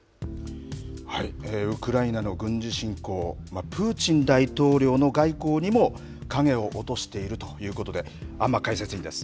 ウクライナの軍事侵攻、プーチン大統領の外交にも影を落としているということで、安間解説委員です。